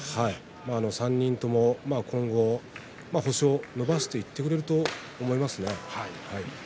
３人とも今後星を伸ばしていってくれると思います。